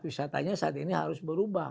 wisatanya saat ini harus berubah